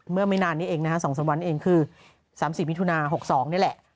เมื่อไม่นานนี้เองนะฮะสองสัมวันเองคือ๓๐มิถุนา๖๒นี่แหละ